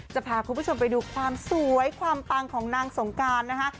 จะพาคุณผู้ชมไปดูความสวยความปังของนางสงการนะคะ